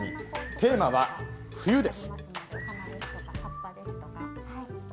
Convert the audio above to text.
テーマは冬です。